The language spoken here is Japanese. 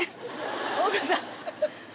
大黒さん。